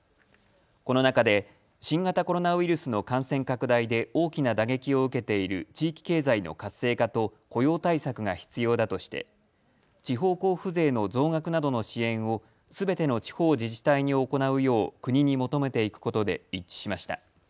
この中で新型コロナウイルスの感染拡大で大きな打撃を受けている地域経済の活性化と雇用対策が必要だとして地方交付税の増額などの支援をすべての地方自治体に行うよう国に求めていくことで一致しました。